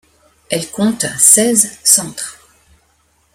Elle compte seize centres.